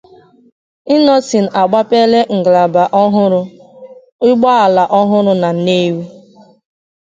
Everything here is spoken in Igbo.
Innoson Agbapeela Ngalaba Ọhụrụ, Ụgbọala Ọhụrụ Na Nnewi